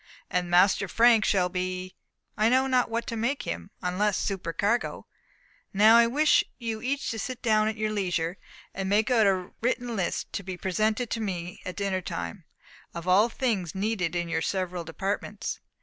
"And Master Frank shall be I know not what to make him, unless supercargo." "Now I wish you each to sit down at your leisure, and make out a written list, to be presented to me at dinner time, of all things needed in your several departments."